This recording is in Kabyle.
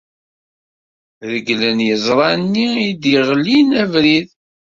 Reglen yeẓra-nni ay d-yeɣlin abrid.